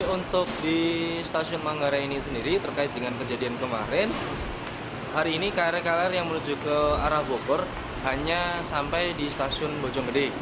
untuk di stasiun manggarai ini sendiri terkait dengan kejadian kemarin hari ini krl krl yang menuju ke arah bogor hanya sampai di stasiun bojonggede